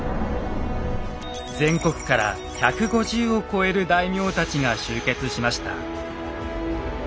全国から１５０を超える大名たちが集結しました。